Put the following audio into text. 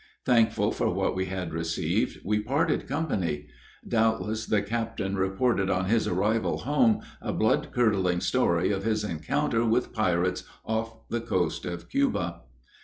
Thankful for what we had received, we parted company. Doubtless the captain reported on his arrival home a blood curdling story of his encounter with pirates off the coast of Cuba.